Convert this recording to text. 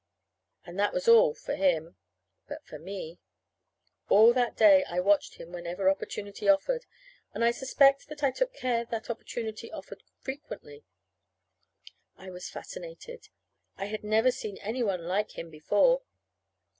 And that was all for him. But for me All that day I watched him whenever opportunity offered; and I suspect that I took care that opportunity offered frequently. I was fascinated. I had never seen any one like him before.